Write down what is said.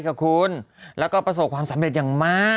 ขอบคุณแล้วก็ประสบความสำเร็จอย่างมาก